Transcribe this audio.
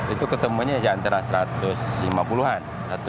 itu ketemunya antara satu ratus lima puluh an